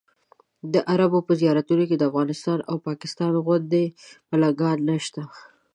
د عربو په زیارتونو کې د افغانستان او پاکستان غوندې ملنګان نشته.